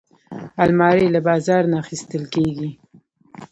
الماري له بازار نه اخیستل کېږي